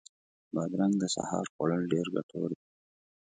بادرنګ د سهار خوړل ډېر ګټور دي.